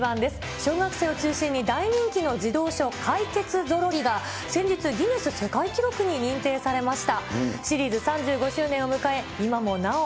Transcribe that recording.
小学生を中心に大人気の児童書、かいけつゾロリが、先日、ギネス世界記録に認定されました。